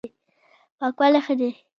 پاکوالی ښه دی.